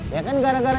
ya kan gara gara